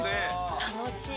楽しい。